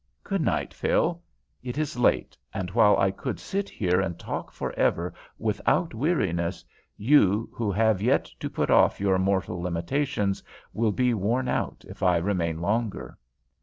Good night, Phil. It is late; and while I could sit here and talk forever without weariness, you, who have yet to put off your mortal limitations, will be worn out if I remain longer."